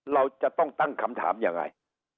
เราจะต้องตั้งคำถามยังไง